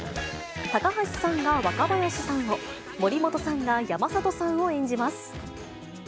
高橋さんが若林さんを、森本さんが山里さんを演じます。